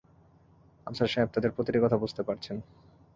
আফসার সাহেব তাদের প্রতিটি কথা বুঝতে পারছেন।